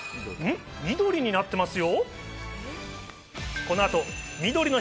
緑になってますよ。